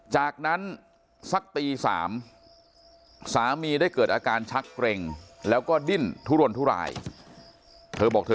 จากนั้นสักตี๓สามีได้เกิดอาการชักเกร็งแล้วก็ดิ้นทุรนทุรายเธอบอกเธอ